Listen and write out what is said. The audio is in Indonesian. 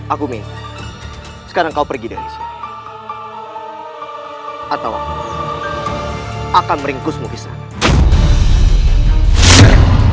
akan meringkusmu kisra